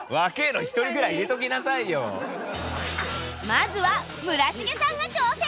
まずは村重さんが挑戦！